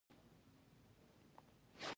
ای زما ام درسره موهم کار دی خو وبښه وتی نشم.